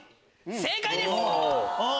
正解です。